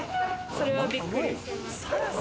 それは、びっくりしてます。